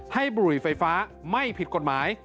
ให้บลูกฝรั่งไฟฟ้าไม่ผิดกฎหมาย